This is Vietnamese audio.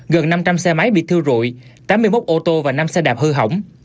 gần năm trăm linh xe máy bị thiêu rụi tám mươi một ô tô và năm xe đạp hư hỏng